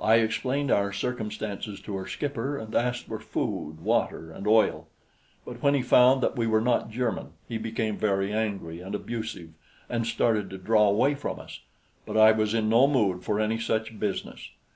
I explained our circumstances to her skipper and asked for food, water and oil; but when he found that we were not German, he became very angry and abusive and started to draw away from us; but I was in no mood for any such business.